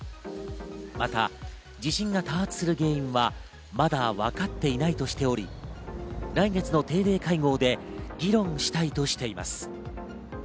また地震が多発する原因はまだ分かっていないとしており、来月の定例会合で議論したいとしています。